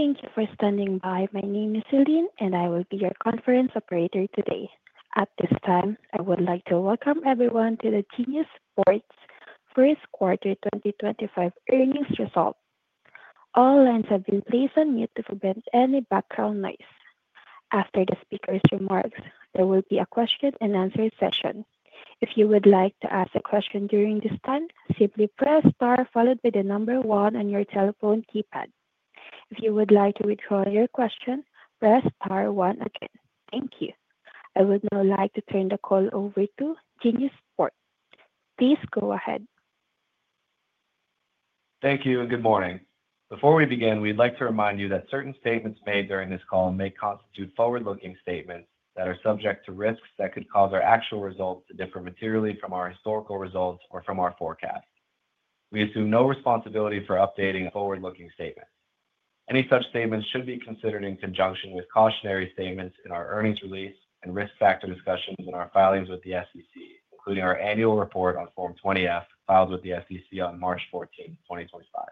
Thank you for standing by. My name is Celine, and I will be your conference operator today. At this time, I would like to welcome everyone to the Genius Sports First Quarter 2025 Earnings Results. All lines have been placed on mute to prevent any background noise. After the speaker's remarks, there will be a question-and-answer session. If you would like to ask a question during this time, simply press star followed by the number one on your telephone keypad. If you would like to withdraw your question, press star one again. Thank you. I would now like to turn the call over to Genius Sports. Please go ahead. Thank you and good morning. Before we begin, we'd like to remind you that certain statements made during this call may constitute forward-looking statements that are subject to risks that could cause our actual results to differ materially from our historical results or from our forecast. We assume no responsibility for updating forward-looking statements. Any such statements should be considered in conjunction with cautionary statements in our earnings release and risk factor discussions in our filings with the SEC, including our annual report on Form 20F filed with the SEC on March 14, 2025.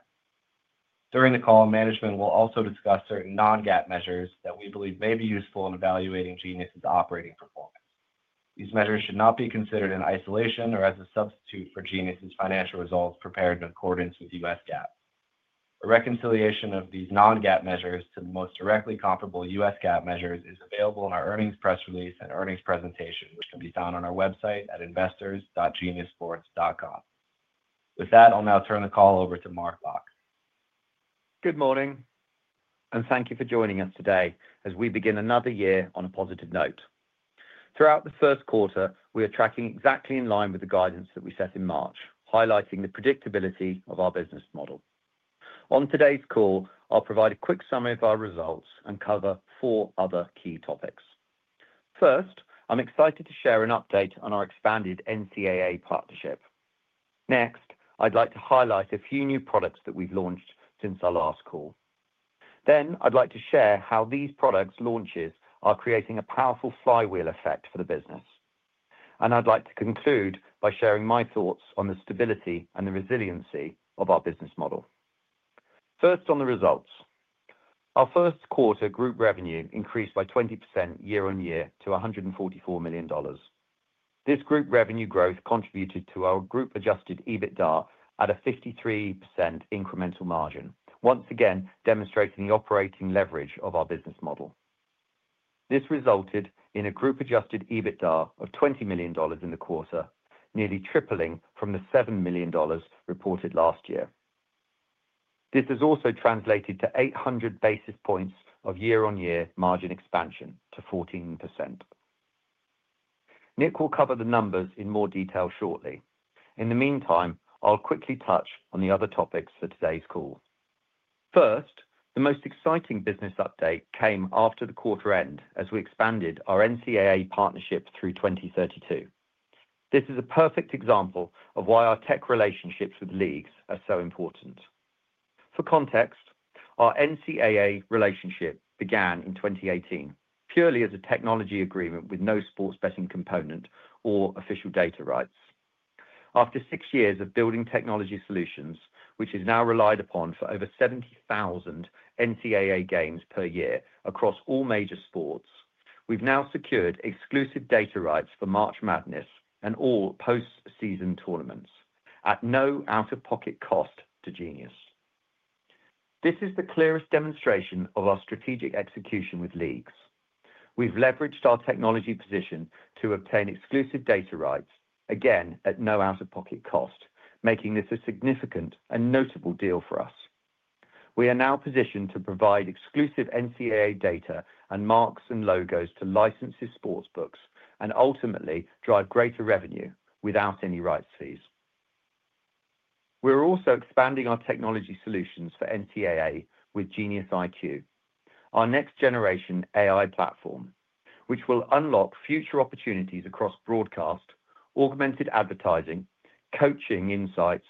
During the call, management will also discuss certain non-GAAP measures that we believe may be useful in evaluating Genius Sports's operating performance. These measures should not be considered in isolation or as a substitute for Genius Sports's financial results prepared in accordance with US GAAP. A reconciliation of these non-GAAP measures to the most directly comparable US GAAP measures is available in our earnings press release and earnings presentation, which can be found on our website at investors.geniussports.com. With that, I'll now turn the call over to Mark Locke. Good morning, and thank you for joining us today as we begin another year on a positive note. Throughout the first quarter, we are tracking exactly in line with the guidance that we set in March, highlighting the predictability of our business model. On today's call, I'll provide a quick summary of our results and cover four other key topics. First, I'm excited to share an update on our expanded NCAA partnership. Next, I'd like to highlight a few new products that we've launched since our last call. Then, I'd like to share how these products' launches are creating a powerful flywheel effect for the business. I'd like to conclude by sharing my thoughts on the stability and the resiliency of our business model. First, on the results. Our first quarter group revenue increased by 20% year-on-year to $144 million. This group revenue growth contributed to our group-adjusted EBITDA at a 53% incremental margin, once again demonstrating the operating leverage of our business model. This resulted in a group-adjusted EBITDA of $20 million in the quarter, nearly tripling from the $7 million reported last year. This has also translated to 800 basis points of year-on-year margin expansion to 14%. Nick will cover the numbers in more detail shortly. In the meantime, I'll quickly touch on the other topics for today's call. First, the most exciting business update came after the quarter end as we expanded our NCAA partnership through 2032. This is a perfect example of why our tech relationships with leagues are so important. For context, our NCAA relationship began in 2018 purely as a technology agreement with no sports betting component or official data rights. After six years of building technology solutions, which is now relied upon for over 70,000 NCAA games per year across all major sports, we've now secured exclusive data rights for March Madness and all post-season tournaments at no out-of-pocket cost to Genius. This is the clearest demonstration of our strategic execution with leagues. We've leveraged our technology position to obtain exclusive data rights, again at no out-of-pocket cost, making this a significant and notable deal for us. We are now positioned to provide exclusive NCAA data and marks and logos to license sports books and ultimately drive greater revenue without any rights fees. We're also expanding our technology solutions for NCAA with Genius IQ, our next-generation AI platform, which will unlock future opportunities across broadcast, augmented advertising, coaching insights,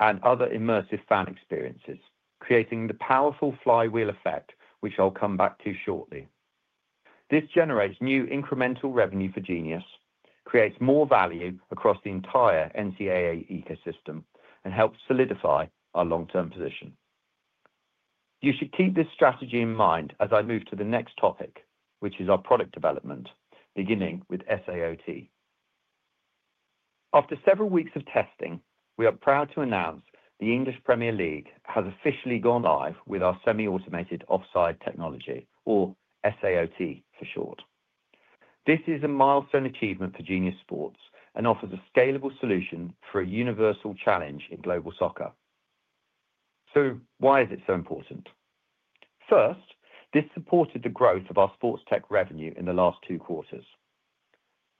and other immersive fan experiences, creating the powerful flywheel effect, which I'll come back to shortly. This generates new incremental revenue for Genius, creates more value across the entire NCAA ecosystem, and helps solidify our long-term position. You should keep this strategy in mind as I move to the next topic, which is our product development, beginning with SAOT. After several weeks of testing, we are proud to announce the English Premier League has officially gone live with our Semi-Automated Offside Technology, or SAOT for short. This is a milestone achievement for Genius Sports and offers a scalable solution for a universal challenge in global soccer. Why is it so important? First, this supported the growth of our sports tech revenue in the last two quarters.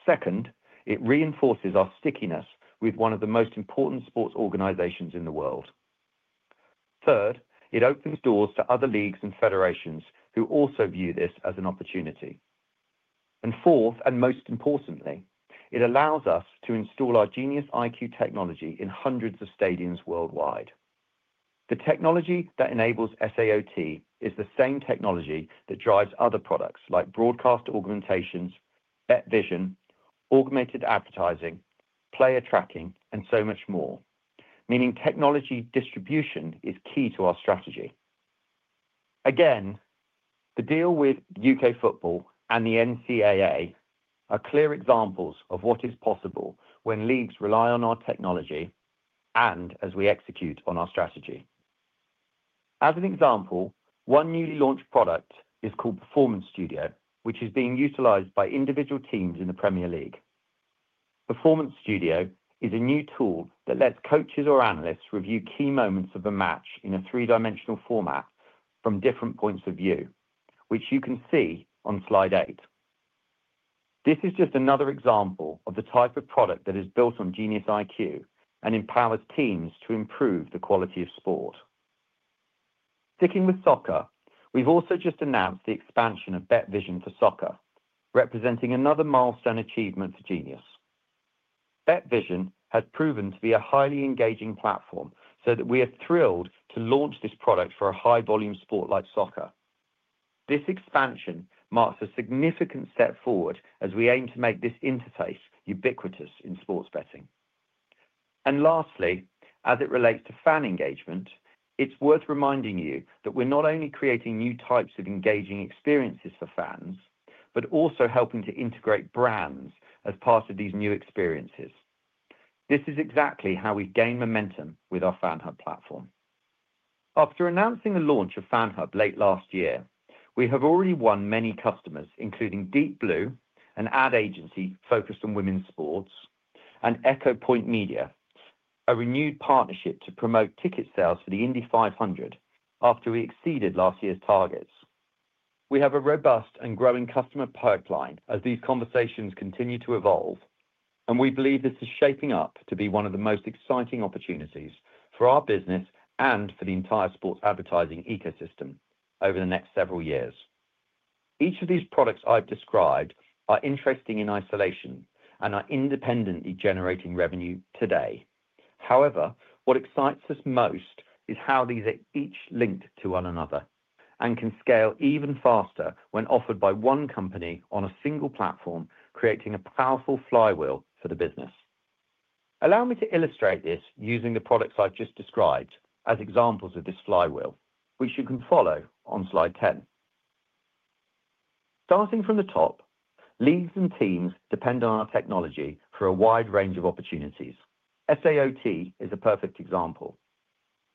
Second, it reinforces our stickiness with one of the most important sports organizations in the world. Third, it opens doors to other leagues and federations who also view this as an opportunity. Fourth, and most importantly, it allows us to install our Genius IQ technology in hundreds of stadiums worldwide. The technology that enables SAOT is the same technology that drives other products like broadcast augmentations, BetVision, augmented advertising, player tracking, and so much more, meaning technology distribution is key to our strategy. The deal with U.K. football and the NCAA are clear examples of what is possible when leagues rely on our technology and as we execute on our strategy. As an example, one newly launched product is called Performance Studio, which is being utilized by individual teams in the Premier League. Performance Studio is a new tool that lets coaches or analysts review key moments of a match in a three-dimensional format from different points of view, which you can see on slide eight. This is just another example of the type of product that is built on GeniusIQ and empowers teams to improve the quality of sport. Sticking with soccer, we've also just announced the expansion of BetVision for soccer, representing another milestone achievement for Genius. BetVision has proven to be a highly engaging platform, so we are thrilled to launch this product for a high-volume sport like soccer. This expansion marks a significant step forward as we aim to make this interface ubiquitous in sports betting. Lastly, as it relates to fan engagement, it's worth reminding you that we're not only creating new types of engaging experiences for fans, but also helping to integrate brands as part of these new experiences. This is exactly how we gain momentum with our FANHub platform. After announcing the launch of FANHub late last year, we have already won many customers, including Deep Blue, an ad agency focused on women's sports, and Echo Point Media, a renewed partnership to promote ticket sales for the Indy 500 after we exceeded last year's targets. We have a robust and growing customer pipeline as these conversations continue to evolve, and we believe this is shaping up to be one of the most exciting opportunities for our business and for the entire sports advertising ecosystem over the next several years. Each of these products I've described are interesting in isolation and are independently generating revenue today. However, what excites us most is how these are each linked to one another and can scale even faster when offered by one company on a single platform, creating a powerful flywheel for the business. Allow me to illustrate this using the products I've just described as examples of this flywheel, which you can follow on slide 10. Starting from the top, leagues and teams depend on our technology for a wide range of opportunities. SAOT is a perfect example.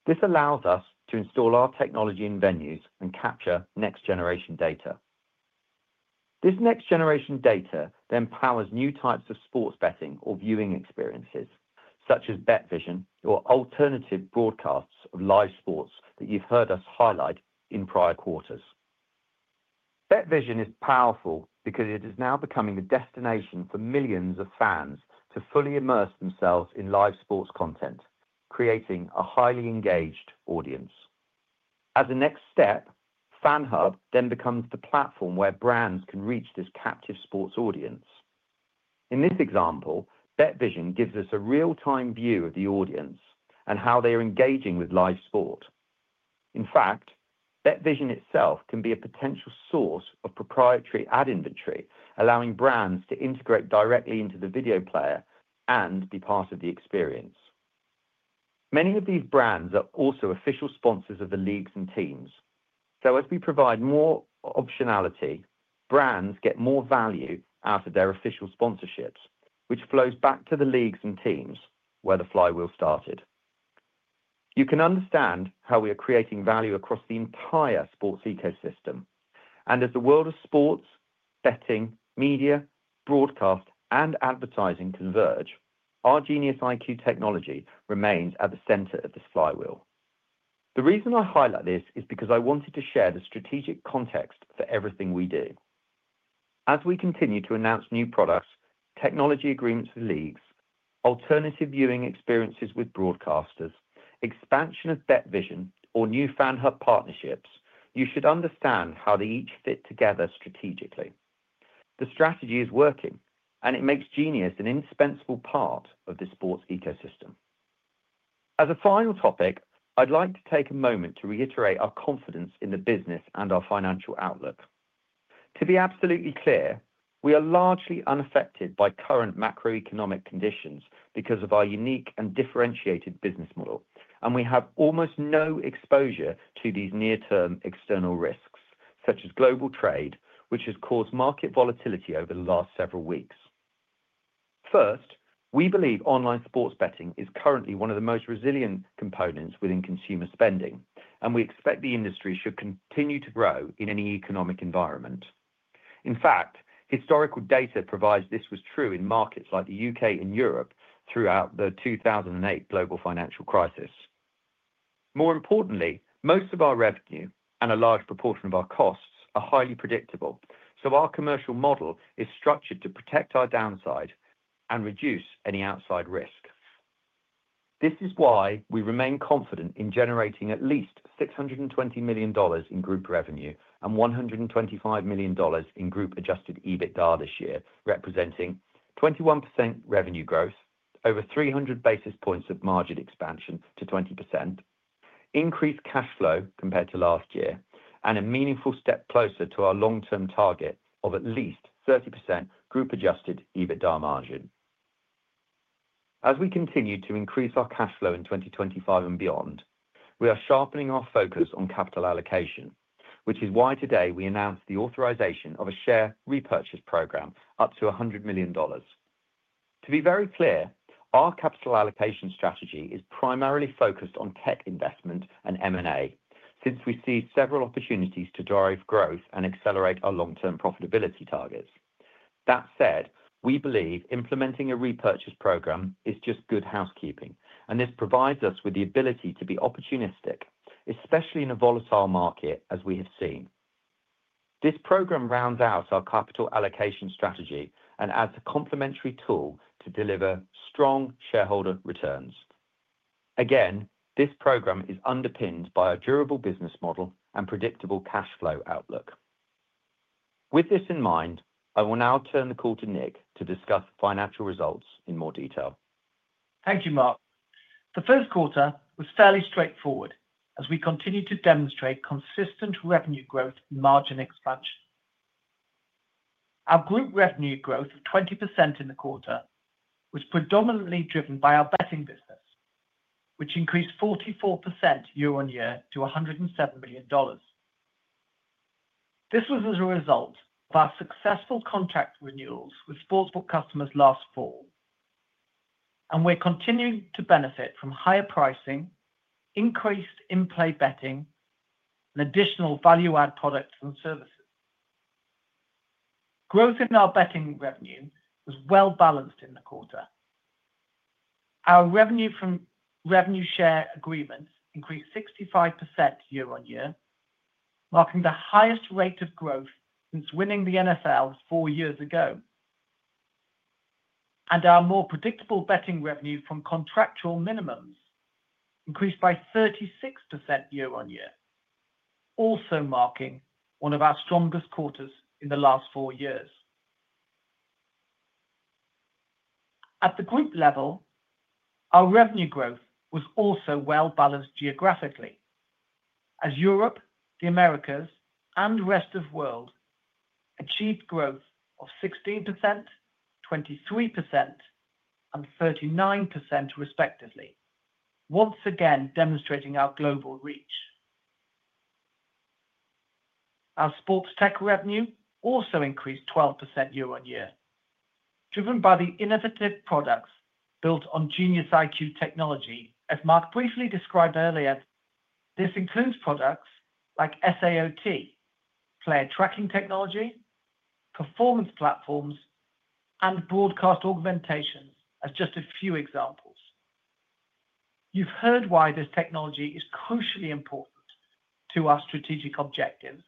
This allows us to install our technology in venues and capture next-generation data. This next-generation data then powers new types of sports betting or viewing experiences, such as BetVision or alternative broadcasts of live sports that you've heard us highlight in prior quarters. BetVision is powerful because it is now becoming the destination for millions of fans to fully immerse themselves in live sports content, creating a highly engaged audience. As a next step, FANHub then becomes the platform where brands can reach this captive sports audience. In this example, BetVision gives us a real-time view of the audience and how they are engaging with live sport. In fact, BetVision itself can be a potential source of proprietary ad inventory, allowing brands to integrate directly into the video player and be part of the experience. Many of these brands are also official sponsors of the leagues and teams. As we provide more optionality, brands get more value out of their official sponsorships, which flows back to the leagues and teams where the flywheel started. You can understand how we are creating value across the entire sports ecosystem. As the world of sports, betting, media, broadcast, and advertising converge, our GeniusIQ technology remains at the center of this flywheel. The reason I highlight this is because I wanted to share the strategic context for everything we do. As we continue to announce new products, technology agreements with leagues, alternative viewing experiences with broadcasters, expansion of BetVision, or new FANHub partnerships, you should understand how they each fit together strategically. The strategy is working, and it makes Genius an indispensable part of the sports ecosystem. As a final topic, I'd like to take a moment to reiterate our confidence in the business and our financial outlook. To be absolutely clear, we are largely unaffected by current macroeconomic conditions because of our unique and differentiated business model, and we have almost no exposure to these near-term external risks, such as global trade, which has caused market volatility over the last several weeks. First, we believe online sports betting is currently one of the most resilient components within consumer spending, and we expect the industry should continue to grow in any economic environment. In fact, historical data provides this was true in markets like the U.K. and Europe throughout the 2008 global financial crisis. More importantly, most of our revenue and a large proportion of our costs are highly predictable, so our commercial model is structured to protect our downside and reduce any outside risk. This is why we remain confident in generating at least $620 million in group revenue and $125 million in group-adjusted EBITDA this year, representing 21% revenue growth, over 300 basis points of margin expansion to 20%, increased cash flow compared to last year, and a meaningful step closer to our long-term target of at least 30% group-adjusted EBITDA margin. As we continue to increase our cash flow in 2025 and beyond, we are sharpening our focus on capital allocation, which is why today we announced the authorization of a share repurchase program up to $100 million. To be very clear, our capital allocation strategy is primarily focused on tech investment and M&A, since we see several opportunities to drive growth and accelerate our long-term profitability targets. That said, we believe implementing a repurchase program is just good housekeeping, and this provides us with the ability to be opportunistic, especially in a volatile market as we have seen. This program rounds out our capital allocation strategy and adds a complementary tool to deliver strong shareholder returns. Again, this program is underpinned by a durable business model and predictable cash flow outlook. With this in mind, I will now turn the call to Nick to discuss financial results in more detail. Thank you, Mark. The first quarter was fairly straightforward as we continued to demonstrate consistent revenue growth and margin expansion. Our group revenue growth of 20% in the quarter was predominantly driven by our betting business, which increased 44% year-on-year to $107 million. This was as a result of our successful contract renewals with sportsbook customers last fall, and we're continuing to benefit from higher pricing, increased in-play betting, and additional value-add products and services. Growth in our betting revenue was well-balanced in the quarter. Our revenue from revenue share agreements increased 65% year-on-year, marking the highest rate of growth since winning the NFL four years ago, and our more predictable betting revenue from contractual minimums increased by 36% year-on-year, also marking one of our strongest quarters in the last four years. At the group level, our revenue growth was also well-balanced geographically, as Europe, the Americas, and the rest of the world achieved growth of 16%, 23%, and 39% respectively, once again demonstrating our global reach. Our sports tech revenue also increased 12% year-on-year, driven by the innovative products built on GeniusIQ technology. As Mark briefly described earlier, this includes products like SAOT, player tracking technology, performance platforms, and broadcast augmentations as just a few examples. You have heard why this technology is crucially important to our strategic objectives,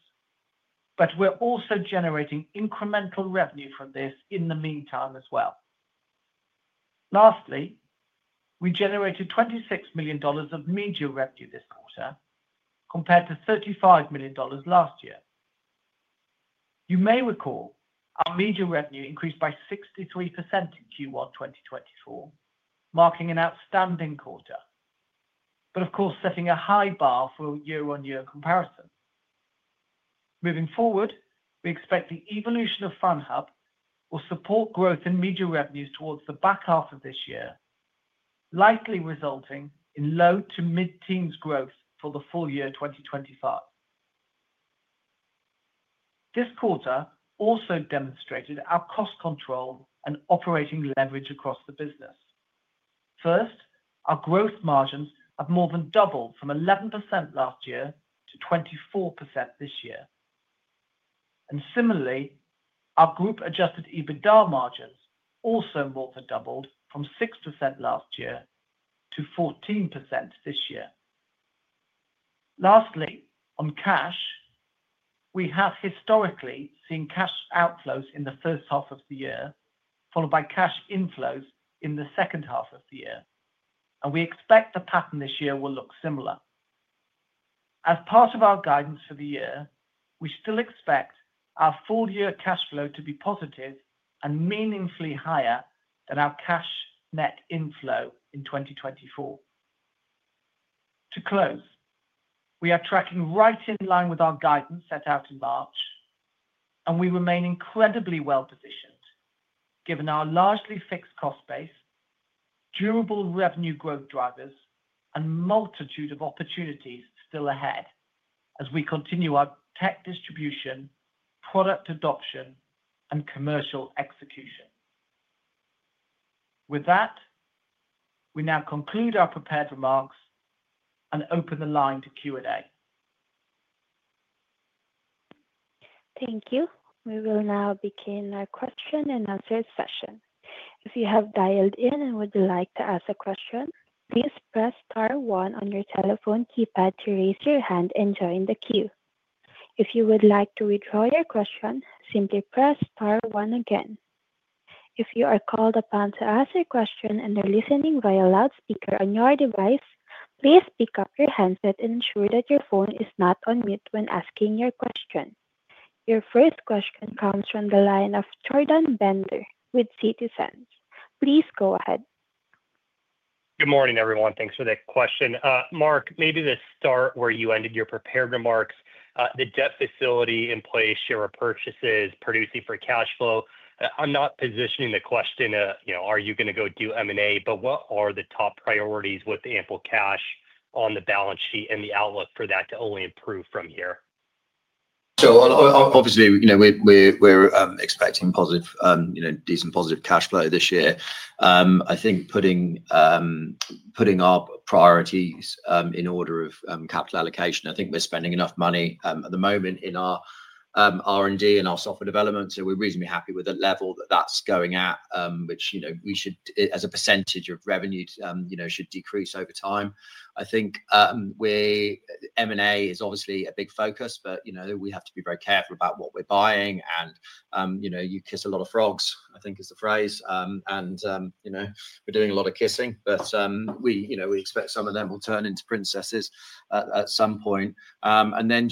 but we are also generating incremental revenue from this in the meantime as well. Lastly, we generated $26 million of media revenue this quarter compared to $35 million last year. You may recall our media revenue increased by 63% in Q1 2024, marking an outstanding quarter, but of course setting a high bar for year-on-year comparison. Moving forward, we expect the evolution of FANHub will support growth in media revenues towards the back half of this year, likely resulting in low to mid-teens growth for the full year 2025. This quarter also demonstrated our cost control and operating leverage across the business. First, our gross margins have more than doubled from 11% last year to 24% this year. Similarly, our group-adjusted EBITDA margins also more than doubled from 6% last year to 14% this year. Lastly, on cash, we have historically seen cash outflows in the first half of the year, followed by cash inflows in the second half of the year, and we expect the pattern this year will look similar. As part of our guidance for the year, we still expect our full-year cash flow to be positive and meaningfully higher than our cash net inflow in 2024. To close, we are tracking right in line with our guidance set out in March, and we remain incredibly well-positioned, given our largely fixed cost base, durable revenue growth drivers, and multitude of opportunities still ahead as we continue our tech distribution, product adoption, and commercial execution. With that, we now conclude our prepared remarks and open the line to Q&A. Thank you. We will now begin our Q&A session. If you have dialed in and would like to ask a question, please press star one on your telephone keypad to raise your hand and join the queue. If you would like to withdraw your question, simply press star one again. If you are called upon to ask a question and are listening via loudspeaker on your device, please pick up your handset and ensure that your phone is not on mute when asking your question. Your first question comes from the line of Jordan Bender with Citizens. Please go ahead. Good morning, everyone. Thanks for the question. Mark, maybe to start where you ended your prepared remarks, the debt facility in place, share repurchases, producing for cash flow, I'm not positioning the question, you know, are you going to go do M&A, but what are the top priorities with the ample cash on the balance sheet and the outlook for that to only improve from here? Obviously, you know, we're expecting decent positive cash flow this year. I think putting our priorities in order of capital allocation, I think we're spending enough money at the moment in our R&D and our software development, so we're reasonably happy with the level that that's going at, which, you know, we should, as a percentage of revenue, you know, should decrease over time. I think M&A is obviously a big focus, but, you know, we have to be very careful about what we're buying, and, you know, you kiss a lot of frogs, I think is the phrase, and, you know, we're doing a lot of kissing, but we, you know, we expect some of them will turn into princesses at some point.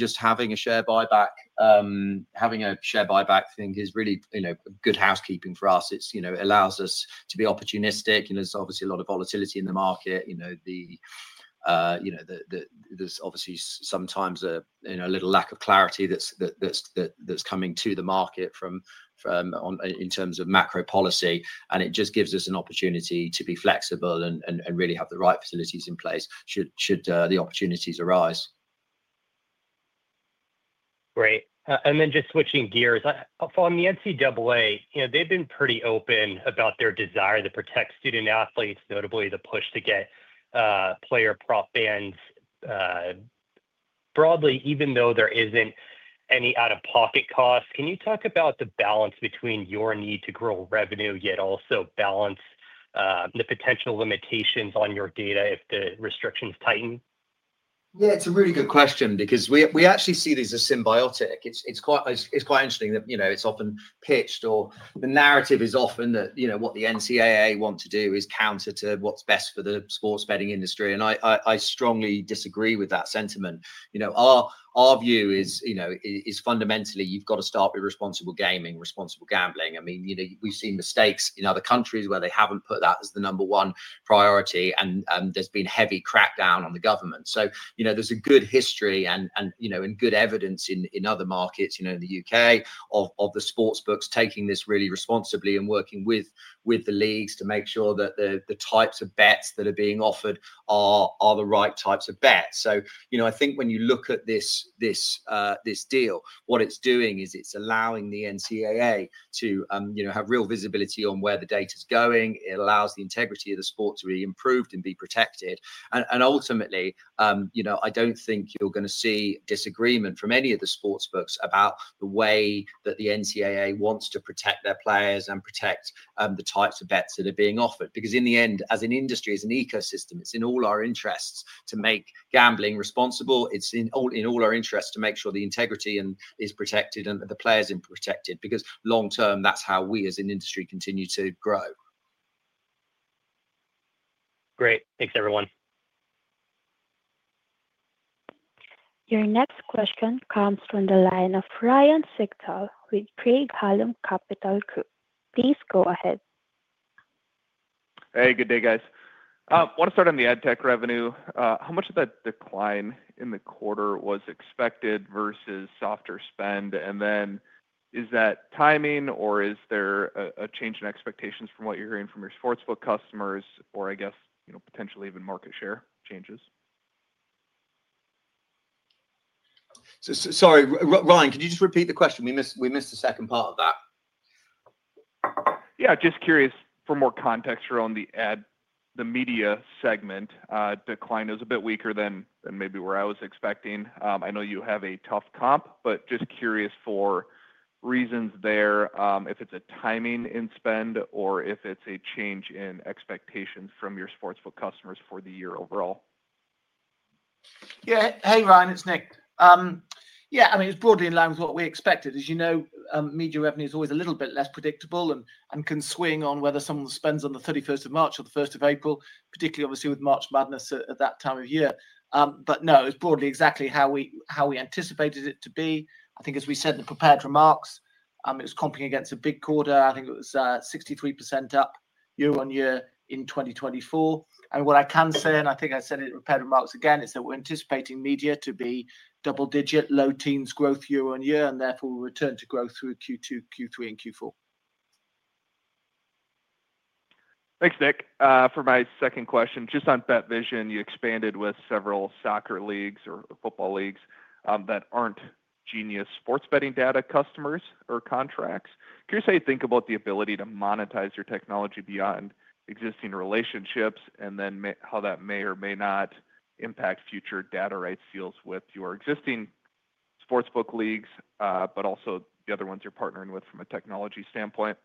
Just having a share buyback, having a share buyback thing is really, you know, good housekeeping for us. It's, you know, it allows us to be opportunistic, and there's obviously a lot of volatility in the market, you know, there's obviously sometimes a, you know, a little lack of clarity that's coming to the market from, from in terms of macro policy, and it just gives us an opportunity to be flexible and really have the right facilities in place should the opportunities arise. Great. And then just switching gears, on the NCAA, you know, they've been pretty open about their desire to protect student athletes, notably the push to get player prop bans broadly, even though there isn't any out-of-pocket costs. Can you talk about the balance between your need to grow revenue, yet also balance the potential limitations on your data if the restrictions tighten? Yeah, it's a really good question because we actually see this as symbiotic. It's quite interesting that, you know, it's often pitched or the narrative is often that, you know, what the NCAA want to do is counter to what's best for the sports betting industry, and I strongly disagree with that sentiment. You know, our view is, you know, is fundamentally you've got to start with responsible gaming, responsible gambling. I mean, you know, we've seen mistakes in other countries where they haven't put that as the number one priority, and there's been heavy crackdown on the government. You know, there's a good history and, you know, good evidence in other markets, you know, in the U.K., of the sportsbooks taking this really responsibly and working with the leagues to make sure that the types of bets that are being offered are the right types of bets. You know, I think when you look at this deal, what it's doing is it's allowing the NCAA to, you know, have real visibility on where the data is going. It allows the integrity of the sport to be improved and be protected. Ultimately, you know, I don't think you're going to see disagreement from any of the sports books about the way that the NCAA wants to protect their players and protect the types of bets that are being offered. Because in the end, as an industry, as an ecosystem, it's in all our interests to make gambling responsible. It's in all our interests to make sure the integrity is protected and that the players are protected because long-term, that's how we as an industry continue to grow. Great.Thanks, everyone. Your next question comes from the line of Ryan Sigdahl with Craig-Hallum Capital Group. Please go ahead. Hey, good day, guys. I want to start on the ad tech revenue. How much of that decline in the quarter was expected versus softer spend? Is that timing, or is there a change in expectations from what you're hearing from your sports book customers, or I guess, you know, potentially even market share changes? Sorry, Ryan, could you just repeat the question? We missed the second part of that. Yeah, just curious for more context around the, the media segment decline is a bit weaker than maybe where I was expecting. I know you have a tough comp, but just curious for reasons there, if it's a timing in spend or if it's a change in expectations from your sportsbook customers for the year overall? Yeah, hey, Ryan, it's Nick. Yeah, I mean, it's broadly in line with what we expected. As you know, media revenue is always a little bit less predictable and can swing on whether someone spends on the 31st of March or the 1st of April, particularly obviously with March Madness at that time of year. No, it's broadly exactly how we anticipated it to be. I think as we said in the prepared remarks, it was comping against a big quarter. I think it was 63% up year-on-year in 2024. What I can say, and I think I said it in prepared remarks again, is that we're anticipating media to be double-digit, low teens growth year-on-year, and therefore we'll return to growth through Q2, Q3, and Q4. Thanks, Nick. For my second question, just on BetVision, you expanded with several soccer leagues or football leagues that aren't Genius Sports betting data customers or contracts. Curious how you think about the ability to monetize your technology beyond existing relationships and then how that may or may not impact future data rights deals with your existing sportsbook leagues, but also the other ones you're partnering with from a technology standpoint?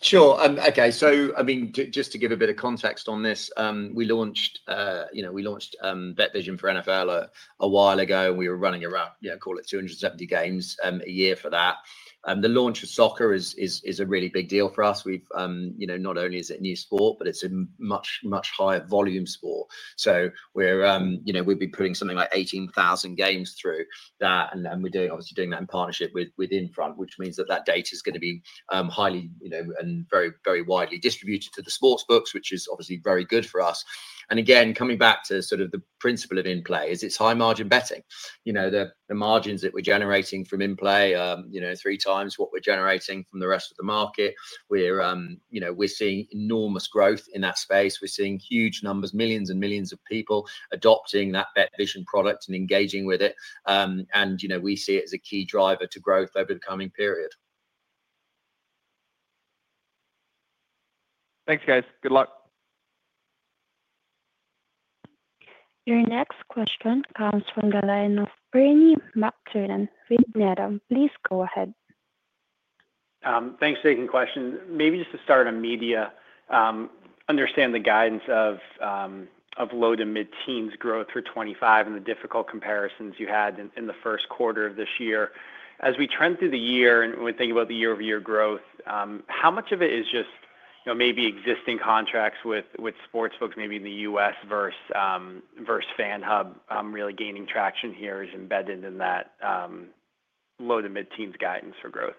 Sure. Okay, so I mean, just to give a bit of context on this, we launched, you know, we launched BetVision for NFL a while ago, and we were running around, you know, call it 270 games a year for that. The launch of soccer is a really big deal for us. We've, you know, not only is it new sport, but it's a much, much higher volume sport. We're, you know, we'll be putting something like 18,000 games through that, and we're doing, obviously doing that in partnership with Infront, which means that that data is going to be highly, you know, and very, very widely distributed to the sports books, which is obviously very good for us. Again, coming back to sort of the principle of in-play is it's high margin betting. You know, the margins that we're generating from in-play, you know, three times what we're generating from the rest of the market. We're, you know, we're seeing enormous growth in that space. We're seeing huge numbers, millions and millions of people adopting that BetVision product and engaging with it. You know, we see it as a key driver to growth over the coming period. Thanks, guys. Good luck. Your next question comes from the line of Breny McTurnin with NEDA. Please go ahead. Thanks for taking the question. Maybe just to start on media, understand the guidance of low to mid-teens growth for 2025 and the difficult comparisons you had in the first quarter of this year. As we trend through the year and we're thinking about the year-over-year growth, how much of it is just, you know, maybe existing contracts with sports books, maybe in the US versus FANHub really gaining traction here is embedded in that low to mid-teens guidance for growth?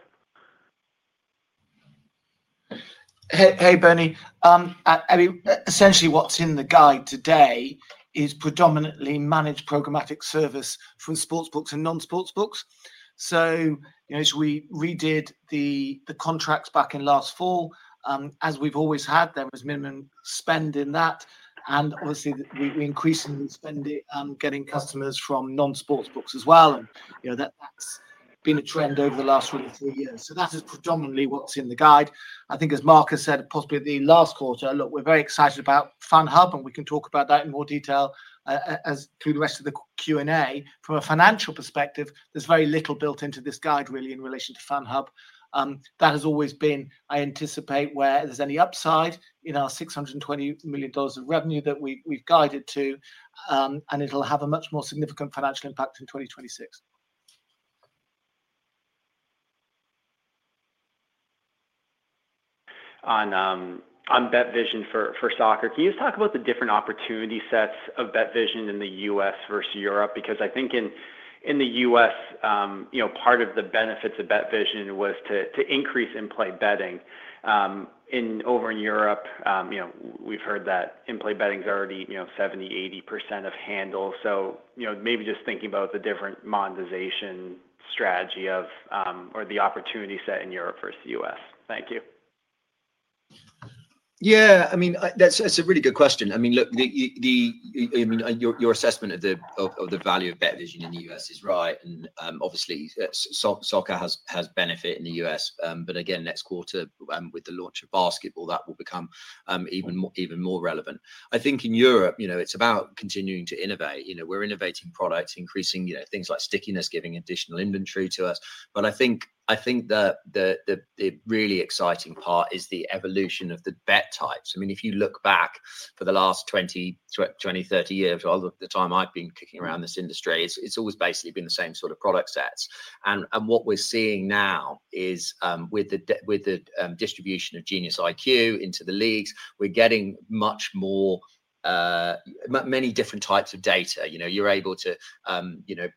Hey, Breny. I mean, essentially what's in the guide today is predominantly managed programmatic service for sports books and non-sports books. You know, as we redid the contracts back in last fall, as we've always had, there was minimum spend in that. Obviously we increased in spend getting customers from non-sports books as well. You know, that's been a trend over the last really three years. That is predominantly what's in the guide. I think as Mark has said, possibly the last quarter, look, we're very excited about FANHub, and we can talk about that in more detail as through the rest of the Q&A. From a financial perspective, there's very little built into this guide really in relation to FANHub. That has always been, I anticipate where there's any upside in our $620 million of revenue that we've guided to, and it'll have a much more significant financial impact in 2026. On BetVision for soccer, can you just talk about the different opportunity sets of BetVision in the U.S. versus Europe? Because I think in the U.S., you know, part of the benefits of BetVision was to increase in-play betting. In over in Europe, you know, we've heard that in-play betting is already, you know, 70-80% of handle. So, you know, maybe just thinking about the different monetization strategy of or the opportunity set in Europe versus the U.S. Thank you. Yeah, I mean, that's a really good question. I mean, look, your assessment of the value of BetVision in the U.S. is right. Obviously soccer has benefit in the U.S. Again, next quarter with the launch of basketball, that will become even more relevant. I think in Europe, you know, it's about continuing to innovate. You know, we're innovating products, increasing, you know, things like stickiness, giving additional inventory to us. I think the really exciting part is the evolution of the bet types. I mean, if you look back for the last 20, 20, 30 years, or the time I've been kicking around this industry, it's always basically been the same sort of product sets. What we're seeing now is with the distribution of Genius IQ into the leagues, we're getting much more, many different types of data. You know, you're able to, you know,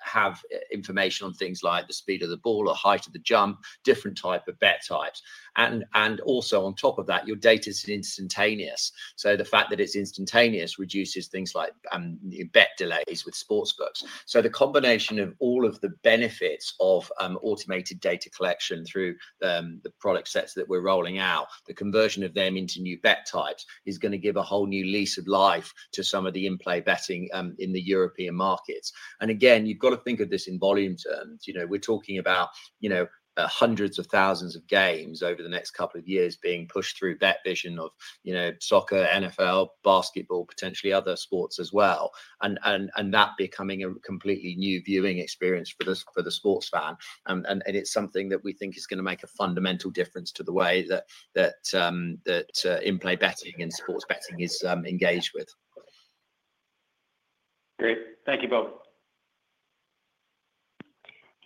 have information on things like the speed of the ball or height of the jump, different type of bet types. Also on top of that, your data is instantaneous. The fact that it's instantaneous reduces things like bet delays with sports books. The combination of all of the benefits of automated data collection through the product sets that we're rolling out, the conversion of them into new bet types is going to give a whole new lease of life to some of the in-play betting in the European markets. Again, you've got to think of this in volume terms. You know, we're talking about, you know, hundreds of thousands of games over the next couple of years being pushed through BetVision of, you know, soccer, NFL, basketball, potentially other sports as well. That becoming a completely new viewing experience for the sports fan. It's something that we think is going to make a fundamental difference to the way that in-play betting and sports betting is engaged with. Great. Thank you both.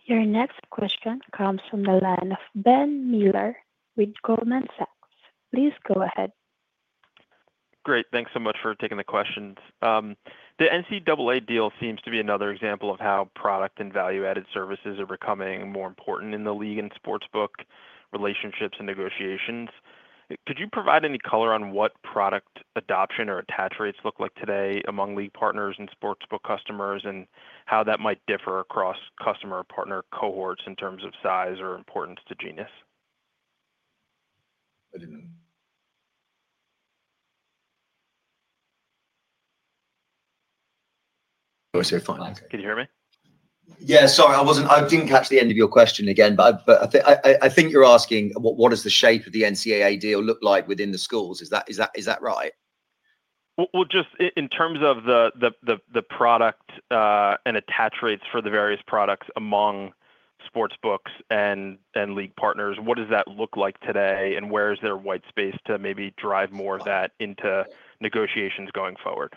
Your next question comes from the line of Ben Miller with Goldman Sachs. Please go ahead. Great. Thanks so much for taking the questions. The NCAA deal seems to be another example of how product and value-added services are becoming more important in the league and sports book relationships and negotiations. Could you provide any color on what product adoption or attach rates look like today among league partners and sports book customers and how that might differ across customer partner cohorts in terms of size or importance to Genius? Can you hear me? Yeah, sorry, I didn't catch the end of your question again, but I think you're asking what does the shape of the NCAA deal look like within the schools? Is that right? Just in terms of the product and attach rates for the various products among sports books and league partners, what does that look like today and where is there white space to maybe drive more of that into negotiations going forward?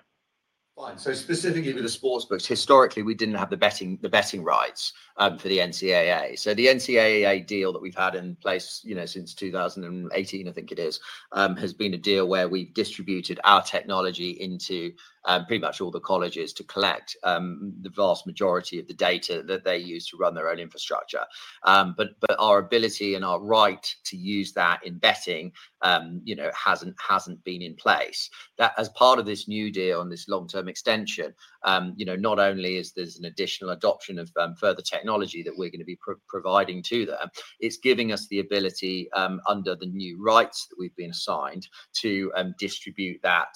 Specifically with the sports books, historically we did not have the betting rights for the NCAA. The NCAA deal that we have had in place, you know, since 2018, I think it is, has been a deal where we have distributed our technology into pretty much all the colleges to collect the vast majority of the data that they use to run their own infrastructure. Our ability and our right to use that in betting, you know, has not been in place. As part of this new deal and this long-term extension, you know, not only is there an additional adoption of further technology that we're going to be providing to them, it's giving us the ability under the new rights that we've been assigned to distribute that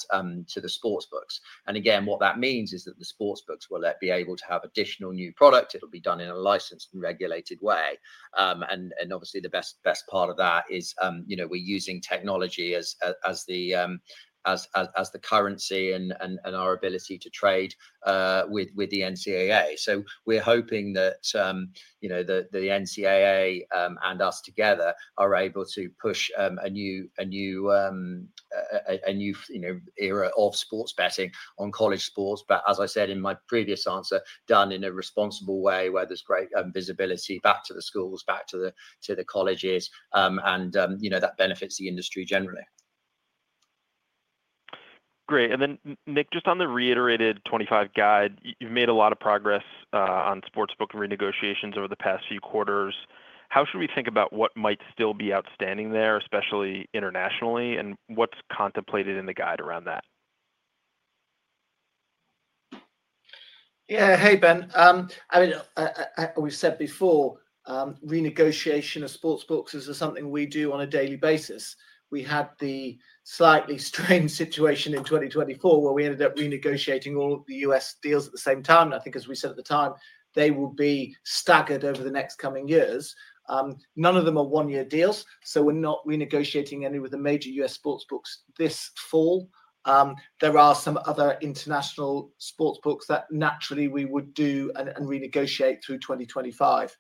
to the sportsbooks. Again, what that means is that the sports books will be able to have additional new product. It'll be done in a licensed and regulated way. Obviously the best part of that is, you know, we're using technology as the currency and our ability to trade with the NCAA. We're hoping that, you know, the NCAA and us together are able to push a new, you know, era of sports betting on college sports. As I said in my previous answer, done in a responsible way where there is great visibility back to the schools, back to the colleges, and, you know, that benefits the industry generally. Great. Nick, just on the reiterated 2025 guide, you have made a lot of progress on sportsbook renegotiations over the past few quarters. How should we think about what might still be outstanding there, especially internationally, and what is contemplated in the guide around that? Yeah, hey, Ben. I mean, we have said before, renegotiation of sportsbooks is something we do on a daily basis. We had the slightly strange situation in 2024 where we ended up renegotiating all of the U.S. deals at the same time. I think as we said at the time, they will be staggered over the next coming years. None of them are one-year deals. We're not renegotiating any with the major U.S. sports books this fall. There are some other international sports books that naturally we would do and renegotiate through 2025.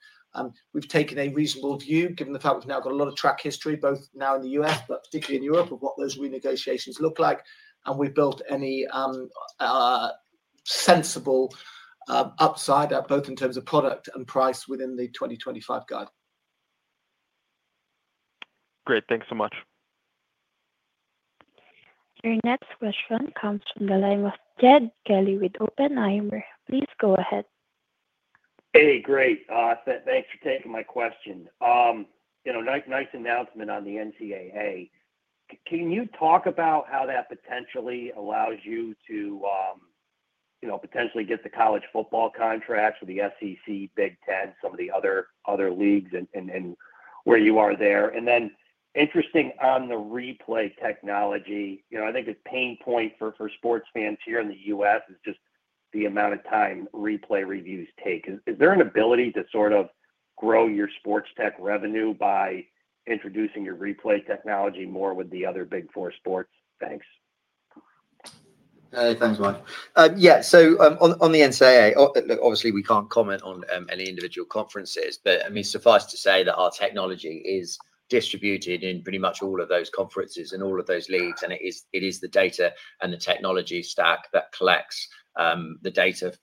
We've taken a reasonable view given the fact we've now got a lot of track history, both now in the U.S., but particularly in Europe, of what those re-negotiations look like. We've built any sensible upside, both in terms of product and price within the 2025 guide. Great. Thanks so much. Your next question comes from the line of Ted Kelly with Oppenheimer. Please go ahead. Hey, great. Thanks for taking my question. You know, nice announcement on the NCAA. Can you talk about how that potentially allows you to, you know, potentially get the college football contracts with the SEC, Big 10, some of the other leagues and where you are there? Interesting on the replay technology, you know, I think the pain point for sports fans here in the U.S. is just the amount of time replay reviews take. Is there an ability to sort of grow your sports tech revenue by introducing your replay technology more with the other Big Four sports banks? Hey, thanks, Mike. Yeah, on the NCAA, obviously we can't comment on any individual conferences, but I mean, suffice to say that our technology is distributed in pretty much all of those conferences and all of those leagues. It is the data and the technology stack that collects the data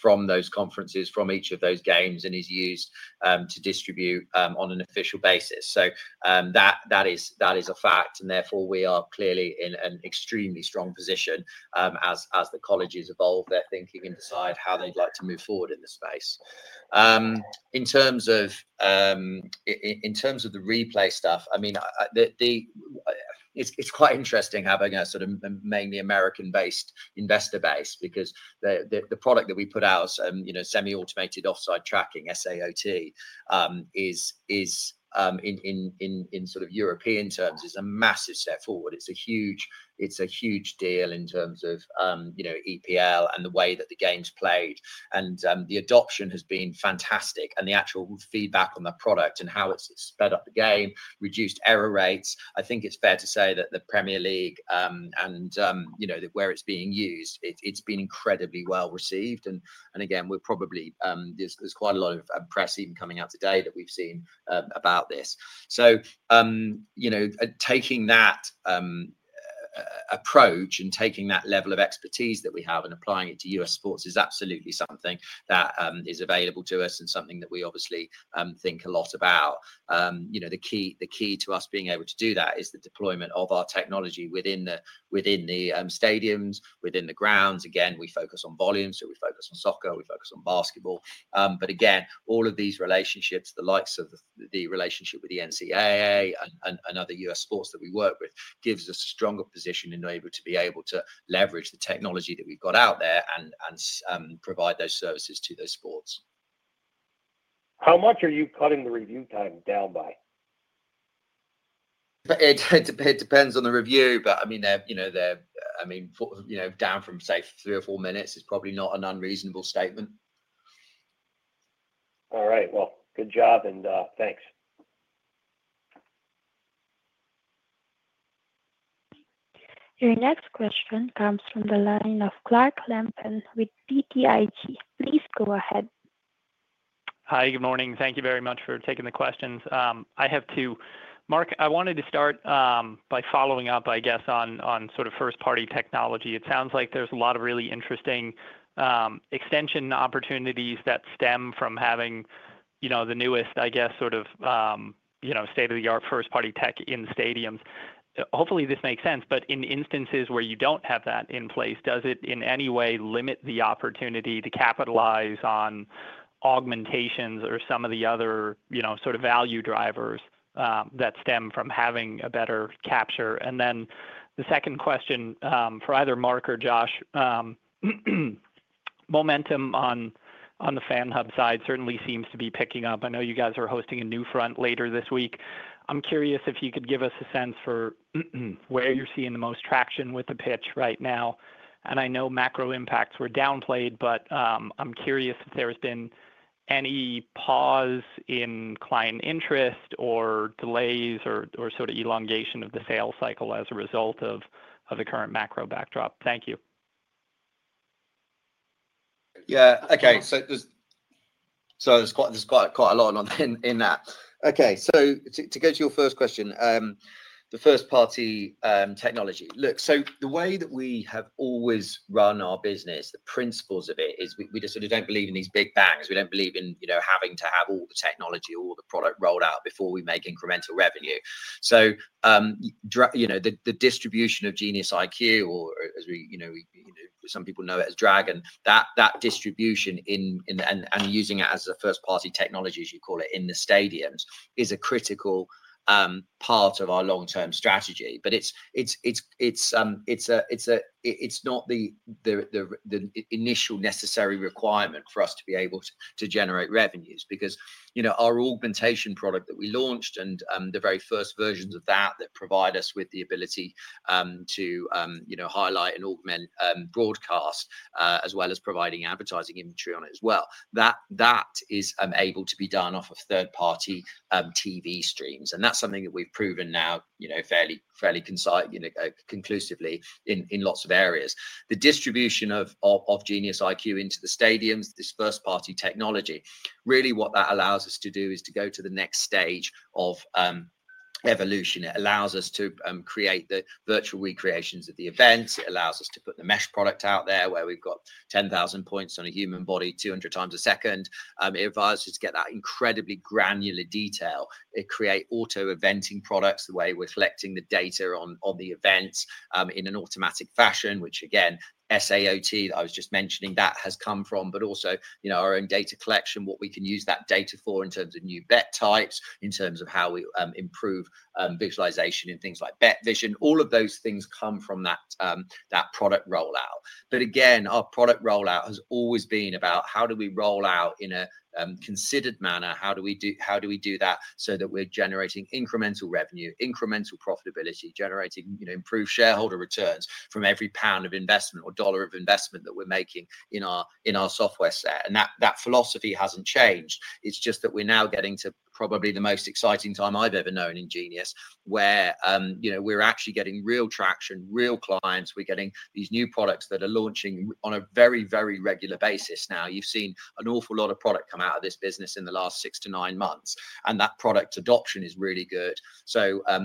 from those conferences from each of those games and is used to distribute on an official basis. That is a fact. Therefore we are clearly in an extremely strong position as the colleges evolve their thinking and decide how they'd like to move forward in the space. In terms of the replay stuff, I mean, it's quite interesting having a sort of mainly American-based investor base because the product that we put out, you know, semi-automated offside tracking, SAOT, is in sort of European terms a massive step forward. It's a huge deal in terms of, you know, EPL and the way that the game's played. The adoption has been fantastic. The actual feedback on the product and how it's sped up the game, reduced error rates. I think it's fair to say that the Premier League and, you know, where it's being used, it's been incredibly well received. We're probably, there's quite a lot of press even coming out today that we've seen about this. You know, taking that approach and taking that level of expertise that we have and applying it to U.S. sports is absolutely something that is available to us and something that we obviously think a lot about. You know, the key to us being able to do that is the deployment of our technology within the stadiums, within the grounds. We focus on volume. We focus on soccer. We focus on basketball. Again, all of these relationships, the likes of the relationship with the NCAA and other U.S. sports that we work with gives us a stronger position and are able to be able to leverage the technology that we've got out there and provide those services to those sports. How much are you cutting the review time down by? It depends on the review, but I mean, you know, down from say three or four minutes is probably not an unreasonable statement. All right. Good job and thanks. Your next question comes from the line of Clark Lampen with BTIG. Please go ahead. Hi, good morning. Thank you very much for taking the questions. I have two. Mark, I wanted to start by following up, I guess, on sort of first-party technology. It sounds like there's a lot of really interesting extension opportunities that stem from having, you know, the newest, I guess, sort of, you know, state-of-the-art first-party tech in stadiums. Hopefully this makes sense, but in instances where you do not have that in place, does it in any way limit the opportunity to capitalize on augmentations or some of the other, you know, sort of value drivers that stem from having a better capture? The second question for either Mark or Josh, momentum on the FANHub side certainly seems to be picking up. I know you guys are hosting a new front later this week. I am curious if you could give us a sense for where you are seeing the most traction with the pitch right now? I know macro impacts were downplayed, but I am curious if there has been any pause in client interest or delays or sort of elongation of the sales cycle as a result of the current macro backdrop. Thank you. Yeah. Okay. There is quite a lot in that. Okay. To go to your first question, the first-party technology. Look, the way that we have always run our business, the principles of it is we just sort of do not believe in these big bangs. We do not believe in, you know, having to have all the technology, all the product rolled out before we make incremental revenue. You know, the distribution of GeniusIQ, or as we, you know, some people know it as Dragon, that distribution and using it as a first-party technology, as you call it, in the stadiums is a critical part of our long-term strategy. It is not the initial necessary requirement for us to be able to generate revenues because, you know, our augmentation product that we launched and the very first versions of that that provide us with the ability to, you know, highlight and augment broadcast as well as providing advertising imagery on it as well, that is able to be done off of third-party TV streams. That is something that we have proven now, you know, fairly concisely, you know, conclusively in lots of areas. The distribution of GeniusIQ into the stadiums, this first-party technology, really what that allows us to do is to go to the next stage of evolution. It allows us to create the virtual recreations of the events. It allows us to put the mesh product out there where we have got 10,000 points on a human body 200 times a second. It allows us to get that incredibly granular detail. It creates auto-eventing products the way we're collecting the data on the events in an automatic fashion, which again, SAOT that I was just mentioning that has come from, but also, you know, our own data collection, what we can use that data for in terms of new bet types, in terms of how we improve visualization and things like BetVision. All of those things come from that product rollout. Our product rollout has always been about how do we roll out in a considered manner? How do we do that so that we're generating incremental revenue, incremental profitability, generating, you know, improved shareholder returns from every pound of investment or dollar of investment that we're making in our software set? That philosophy hasn't changed. It's just that we're now getting to probably the most exciting time I've ever known in Genius where, you know, we're actually getting real traction, real clients. We're getting these new products that are launching on a very, very regular basis now. You've seen an awful lot of product come out of this business in the last six to nine months. And that product adoption is really good.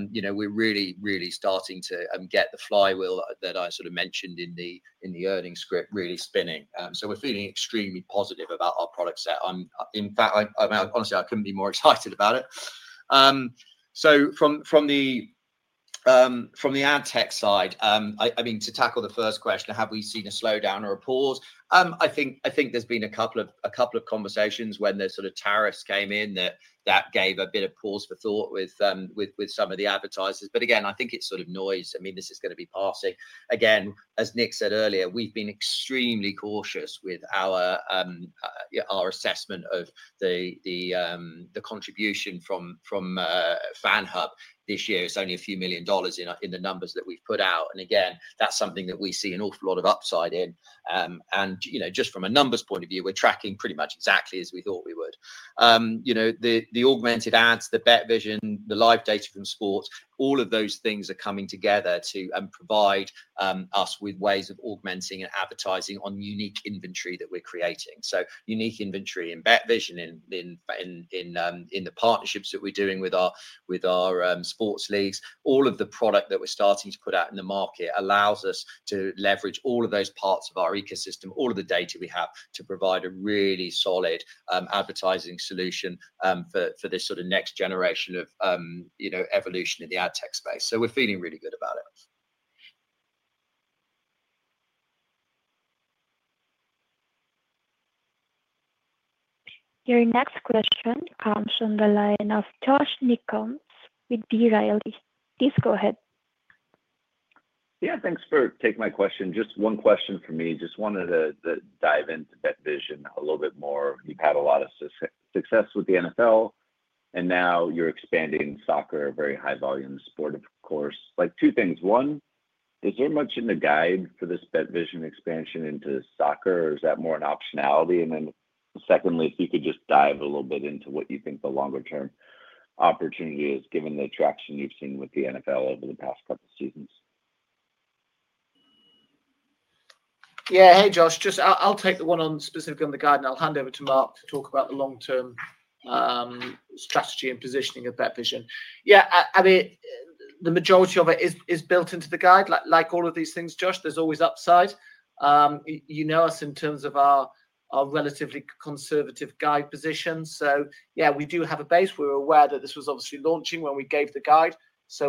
You know, we're really, really starting to get the flywheel that I sort of mentioned in the earnings script really spinning. We're feeling extremely positive about our product set. In fact, honestly, I couldn't be more excited about it. From the ad tech side, I mean, to tackle the first question, have we seen a slowdown or a pause? I think there's been a couple of conversations when those sort of tariffs came in that gave a bit of pause for thought with some of the advertisers. I think it's sort of noise. I mean, this is going to be passing. As Nick said earlier, we've been extremely cautious with our assessment of the contribution from FANHub this year. It's only a few million dollars in the numbers that we've put out. That's something that we see an awful lot of upside in. You know, just from a numbers point of view, we're tracking pretty much exactly as we thought we would. You know, the augmented ads, the BetVision, the live data from sports, all of those things are coming together to provide us with ways of augmenting and advertising on unique inventory that we're creating. So unique inventory in BetVision, in the partnerships that we're doing with our sports leagues, all of the product that we're starting to put out in the market allows us to leverage all of those parts of our ecosystem, all of the data we have to provide a really solid advertising solution for this sort of next generation of, you know, evolution in the ad tech space. We're feeling really good about it. Your next question comes from the line of Josh Nichols with DRLE. Please go ahead. Yeah, thanks for taking my question. Just one question for me. Just wanted to dive into BetVision a little bit more. You've had a lot of success with the NFL, and now you're expanding soccer, a very high-volume sport, of course. Like two things. One, is there much in the guide for this BetVision expansion into soccer, or is that more an optionality? Secondly, if you could just dive a little bit into what you think the longer-term opportunity is, given the traction you've seen with the NFL over the past couple of seasons? Yeah, hey, Josh, I'll take the one specifically on the guide, and I'll hand over to Mark to talk about the long-term strategy and positioning of BetVision. Yeah, I mean, the majority of it is built into the guide. Like all of these things, Josh, there's always upside. You know us in terms of our relatively conservative guide position. Yeah, we do have a base. We're aware that this was obviously launching when we gave the guide.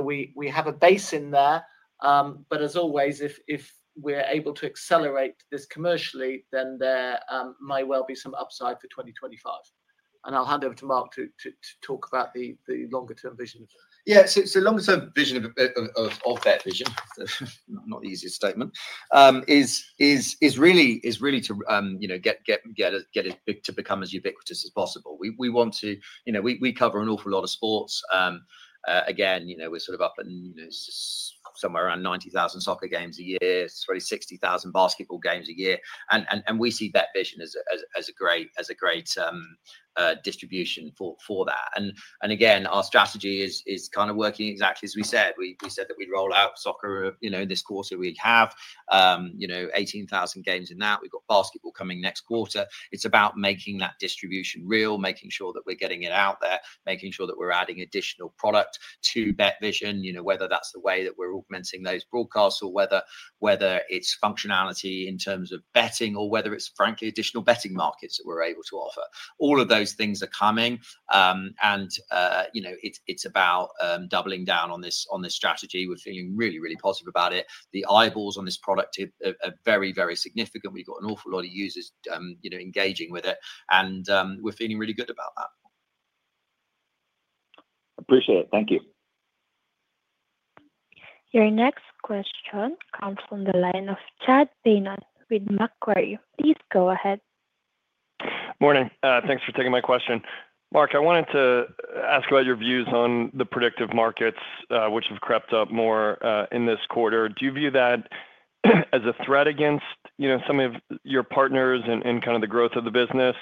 We have a base in there. As always, if we're able to accelerate this commercially, then there might well be some upside for 2025. I'll hand over to Mark to talk about the longer-term vision. Yeah, so the longer-term vision of BetVision, not the easiest statement, is really to, you know, get it to become as ubiquitous as possible. We want to, you know, we cover an awful lot of sports. Again, you know, we're sort of up in, you know, somewhere around 90,000 soccer games a year, probably 60,000 basketball games a year. We see BetVision as a great distribution for that. Again, our strategy is kind of working exactly as we said. We said that we'd roll out soccer, you know, in this quarter. We have, you know, 18,000 games in that. We've got basketball coming next quarter. It's about making that distribution real, making sure that we're getting it out there, making sure that we're adding additional product to BetVision, you know, whether that's the way that we're augmenting those broadcasts or whether it's functionality in terms of betting or whether it's frankly additional betting markets that we're able to offer. All of those things are coming. You know, it's about doubling down on this strategy. We're feeling really, really positive about it. The eyeballs on this product are very, very significant. We've got an awful lot of users, you know, engaging with it. We're feeling really good about that. Appreciate it. Thank you. Your next question comes from the line of Chad Beynon with Macquarie. Please go ahead. Morning. Thanks for taking my question. Mark, I wanted to ask about your views on the predictive markets, which have crept up more in this quarter. Do you view that as a threat against, you know, some of your partners and kind of the growth of the business,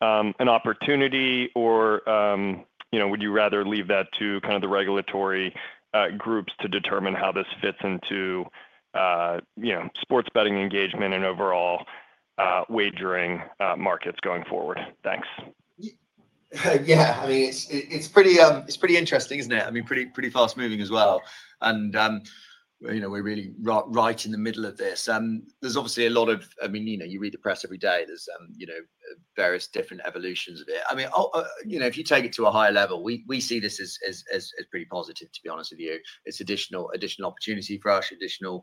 an opportunity, or, you know, would you rather leave that to kind of the regulatory groups to determine how this fits into, you know, sports betting engagement and overall wagering markets going forward? Thanks. Yeah, I mean, it's pretty interesting, isn't it? I mean, pretty fast-moving as well. You know, we're really right in the middle of this. There's obviously a lot of, I mean, you know, you read the press every day. There's, you know, various different evolutions of it. I mean, you know, if you take it to a higher level, we see this as pretty positive, to be honest with you. It's additional opportunity for us, additional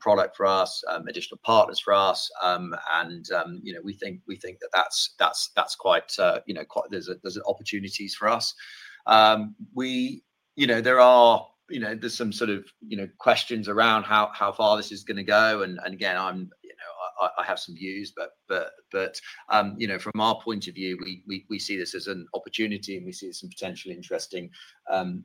product for us, additional partners for us. You know, we think that that's quite, you know, there's opportunities for us. You know, there are, you know, there's some sort of, you know, questions around how far this is going to go. Again, I have some views, but, you know, from our point of view, we see this as an opportunity and we see some potentially interesting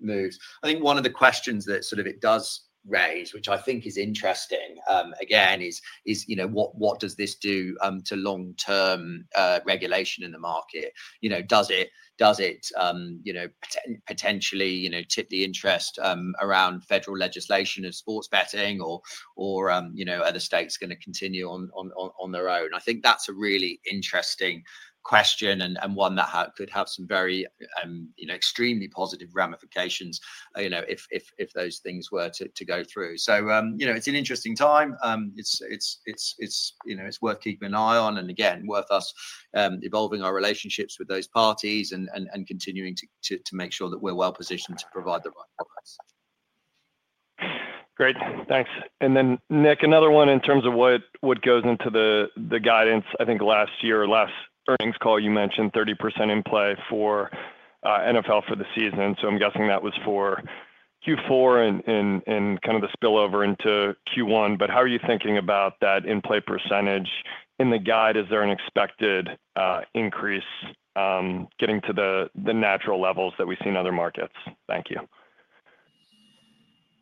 moves. I think one of the questions that sort of it does raise, which I think is interesting, again, is, you know, what does this do to long-term regulation in the market? You know, does it, you know, potentially, you know, tip the interest around federal legislation of sports betting or, you know, are the states going to continue on their own? I think that's a really interesting question and one that could have some very, you know, extremely positive ramifications, you know, if those things were to go through. You know, it's an interesting time. It's, you know, it's worth keeping an eye on and again, worth us evolving our relationships with those parties and continuing to make sure that we're well positioned to provide the right products. Great. Thanks. And then Nick, another one in terms of what goes into the guidance. I think last year, last earnings call, you mentioned 30% in play for NFL for the season. So I'm guessing that was for Q4 and kind of the spillover into Q1. How are you thinking about that in play percentage in the guide? Is there an expected increase getting to the natural levels that we see in other markets? Thank you.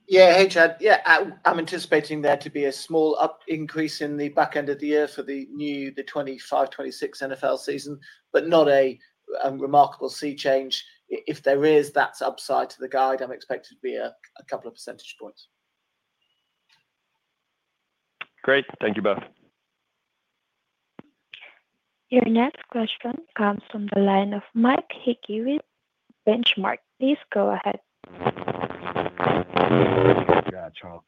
Yeah, hey, Chad. Yeah, I'm anticipating there to be a small increase in the back end of the year for the new, the 2025-2026 NFL season, but not a remarkable sea change. If there is, that's upside to the guide. I'm expecting it to be a couple of percentage points. Great. Thank you both. Your next question comes from the line of Mike Hickey with Benchmark. Please go ahead. Yeah, Charles.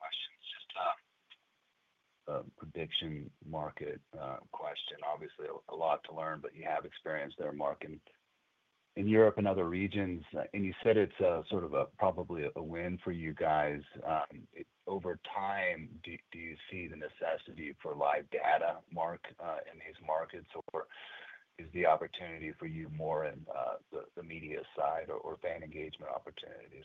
Question is just a prediction market question. Obviously, a lot to learn, but you have experience there, Mark, in Europe and other regions. You said it's sort of probably a win for you guys. Over time, do you see the necessity for live data? Mark, in these markets, or is the opportunity for you more in the media side or fan engagement opportunities?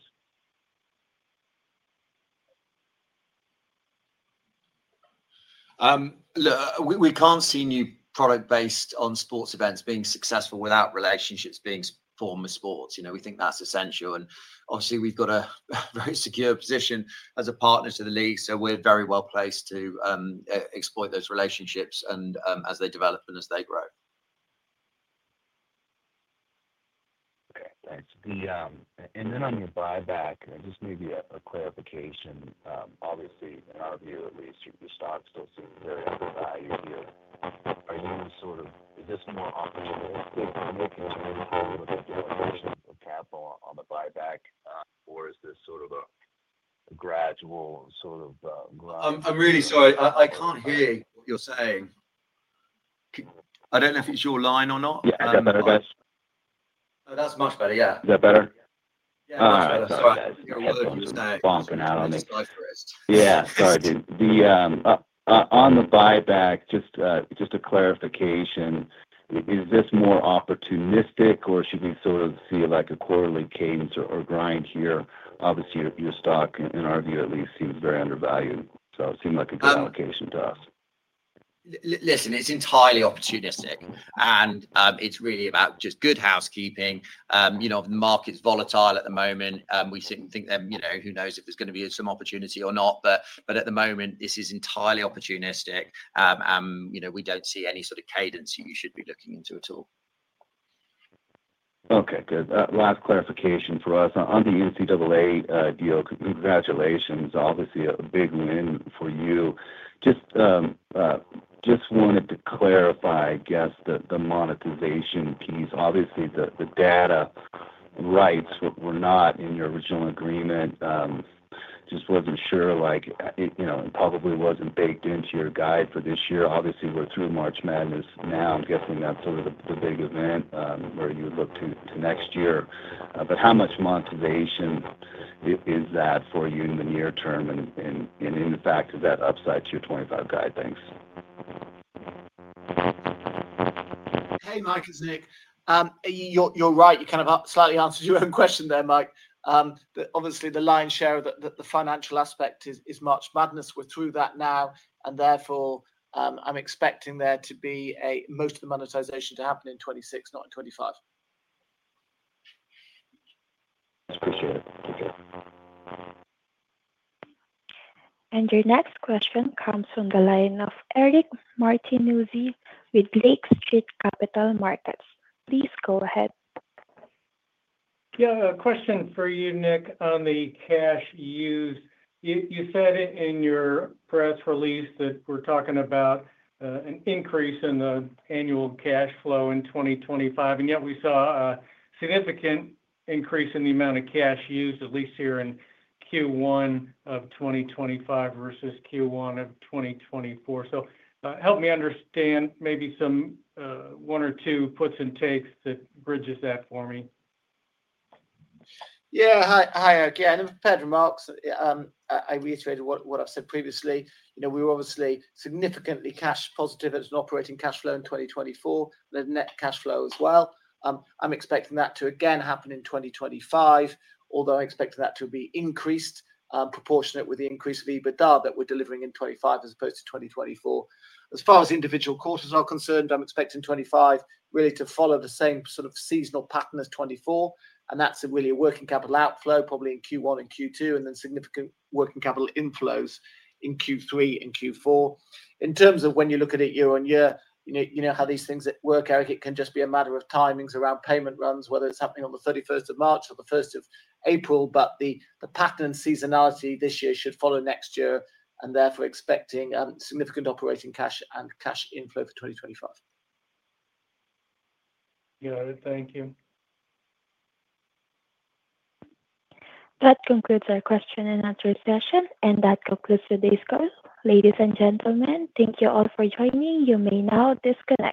We can't see new product based on sports events being successful without relationships being formal sports. You know, we think that's essential. Obviously, we've got a very secure position as a partner to the league. We're very well placed to exploit those relationships as they develop and as they grow. Okay, thanks. On your buyback, just maybe a clarification. Obviously, in our view, at least, your stock still seems very undervalued. Are you sort of, is this more operable? Are you continuing to hold a bit of capital on the buyback, or is this sort of a gradual sort of growth? I'm really sorry. I can't hear you, what you're saying. I don't know if it's your line or not. Yeah, I'm better. That's much better, yeah. Is that better? Yeah, much better. Sorry. I think your words were just bumping out on me. Yeah, sorry, dude. On the buyback, just a clarification. Is this more opportunistic, or should we sort of see like a quarterly cadence or grind here? Obviously, your stock, in our view at least, seems very undervalued. It seemed like a good allocation to us. Listen, it is entirely opportunistic. It is really about just good housekeeping. You know, the market is volatile at the moment. We think that, you know, who knows if there is going to be some opportunity or not. At the moment, this is entirely opportunistic. You know, we do not see any sort of cadence you should be looking into at all. Okay, good. Last clarification for us. On the NCAA deal, congratulations. Obviously, a big win for you. Just wanted to clarify, I guess, the monetization piece. Obviously, the data rights were not in your original agreement. Just was not sure, like, you know, it probably was not baked into your guide for this year. Obviously, we're through March Madness now. I'm guessing that's sort of the big event where you would look to next year. How much monetization is that for you in the near term? In fact, is that upside to your 2025 guide? Thanks. Hey, Mike and Nick.You're right. You kind of slightly answered your own question there, Mike. Obviously, the lion's share of the financial aspect is March Madness. We're through that now. Therefore, I'm expecting there to be most of the monetization to happen in 2026, not in 2025. Appreciate it. Thank you. Your next question comes from the line of Eric Martinuzzi with Lake Street Capital Markets. Please go ahead. Yeah, a question for you, Nick, on the cash use. You said in your press release that we're talking about an increase in the annual cash flow in 2025. Yet, we saw a significant increase in the amount of cash used, at least here in Q1 of 2025 versus Q1 of 2024. Help me understand maybe one or two puts and takes that bridges that for me. Yeah, hi, Eric. Yeah, I never paired remarks. I reiterated what I've said previously. You know, we were obviously significantly cash positive as an operating cash flow in 2024, net cash flow as well. I'm expecting that to again happen in 2025, although I expect that to be increased proportionate with the increase of EBITDA that we're delivering in 2025 as opposed to 2024. As far as individual quarters are concerned, I'm expecting 2025 really to follow the same sort of seasonal pattern as 2024. That's really a working capital outflow probably in Q1 and Q2, and then significant working capital inflows in Q3 and Q4. In terms of when you look at it year on year, you know how these things work, Eric. It can just be a matter of timings around payment runs, whether it's happening on the 31st of March or the 1st of April. The pattern and seasonality this year should follow next year. Therefore, expecting significant operating cash and cash inflow for 2025. You're right. Thank you. That concludes our Q&A session. That concludes today's call. Ladies and gentlemen, thank you all for joining. You may now disconnect.